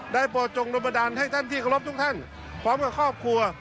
โปรจงรมดันให้ท่านที่เคารพทุกท่านพร้อมกับครอบครัว